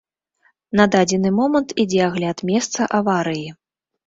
На дадзены момант ідзе агляд месца аварыі.